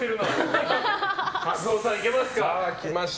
一男さん、いけますか。